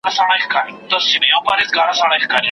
د موسی همسا ته ولاړم